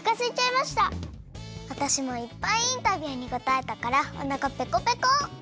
わたしもいっぱいインタビューにこたえたからおなかぺこぺこ！